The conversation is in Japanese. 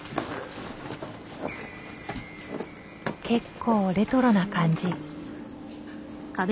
結構レトロな感じ。